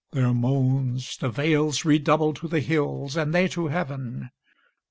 Their moansThe vales redoubled to the hills, and theyTo heaven.